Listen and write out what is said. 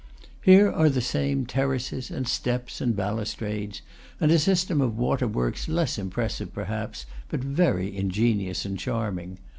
Here are the same terraces and steps and balustrades, and a system of water works less impressive, perhaps, but very ingenious and charm ing.